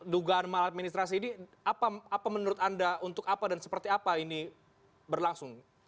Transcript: dugaan maladministrasi ini apa menurut anda untuk apa dan seperti apa ini berlangsung